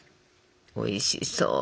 おいしそう。